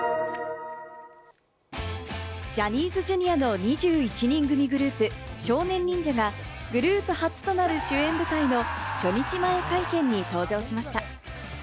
ジャニーズＪｒ．の２１人組グループ・少年忍者がグループ初となる主演舞台の初日前会見に登場しました。